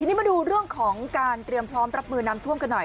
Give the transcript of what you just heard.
ทีนี้มาดูเรื่องของการเตรียมพร้อมรับมือน้ำท่วมกันหน่อย